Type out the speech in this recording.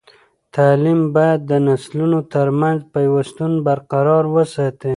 تعلیم باید د نسلونو ترمنځ پیوستون برقرار وساتي.